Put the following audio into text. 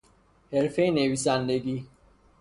حرفهی نویسندگی